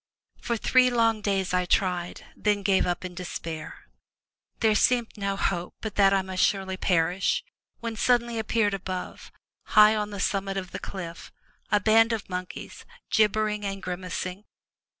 For three long days I tried, then gave up in despair. There seemed no hope but that I must most surely perish, when suddenly appeared above, high on the summit of the cliff, a band of monkeys gib bering and grimacing.